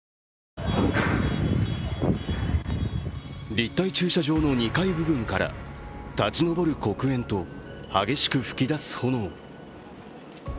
立体駐車場の２階部分から立ち上る黒煙と、激しく噴き出す炎。